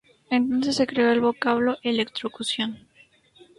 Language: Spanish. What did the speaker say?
Entonces se creó el vocablo "electrocución".